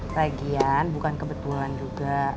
lagian bukan kebetulan juga